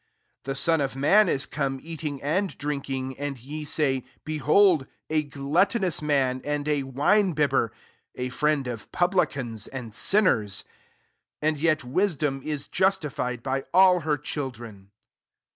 34 The Son of man is come eating and drinking ; and ye say, < Behold a gluttonous man, and a wine bibber, a friend of publicans and sinners.' 35 And yet wis dom is justified by [all] her children."